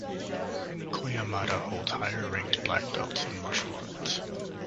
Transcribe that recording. Koyamada holds higher ranked Black belts in martial arts.